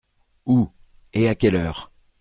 Où, et à quelle heure ?